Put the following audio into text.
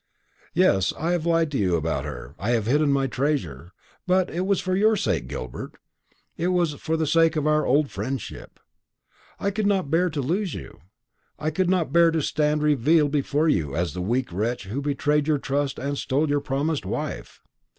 "Yes, I have lied to you about her, I have hidden my treasure. But it was for your sake, Gilbert; it was for the sake of our old friendship. I could not bear to lose you; I could not bear to stand revealed before you as the weak wretch who betrayed your trust and stole your promised wife.